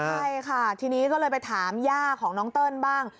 ใช่ค่ะทีนี้ก็เลยไปถามย่าของน้องเติ้ลบ้าง